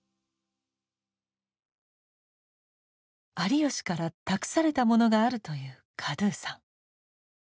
有吉から託されたものがあるというカドゥさん。